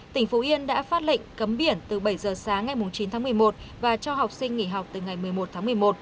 tỉnh phú yên đã phát lệnh cấm biển từ bảy giờ sáng ngày chín tháng một mươi một và cho học sinh nghỉ học từ ngày một mươi một tháng một mươi một